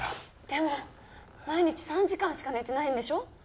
でも毎日３時間しか寝てないんでしょ？